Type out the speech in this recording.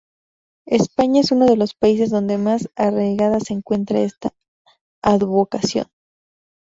España es uno de los países donde más arraigada se encuentra esta advocación.